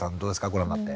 ご覧になって。